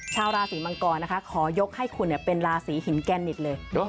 ชาวราศีมังกรนะคะขอยกให้คุณเป็นราศีหินแกนิตเลย